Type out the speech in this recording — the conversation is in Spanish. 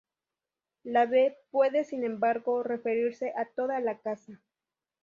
La B puede, sin embargo, referirse a toda la casa.